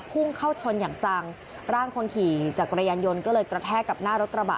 พุ่งเข้าชนอย่างจังร่างคนขี่จักรยานยนต์ก็เลยกระแทกกับหน้ารถกระบะ